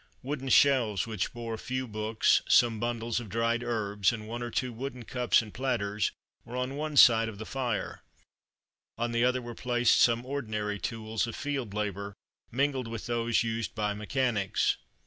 Wooden shelves, which bore a few books, some bundles of dried herbs, and one or two wooden cups and platters, were on one side of the fire; on the other were placed some ordinary tools of field labour, mingled with those used by mechanics.